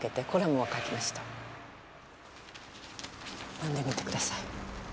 読んでみてください。